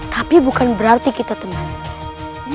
tapi bukan berarti kita teman